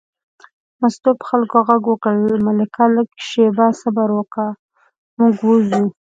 مستو په ملک غږ وکړ: ملکه لږه شېبه صبر وکړه، موږ وځو.